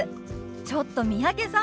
ちょっと三宅さん